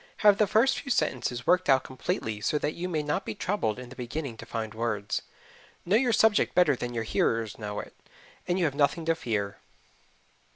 Have the first few sentences worked out completely so that you may not be troubled in the beginning to find words. Know your subject better than your hearers know it, and you have nothing to fear.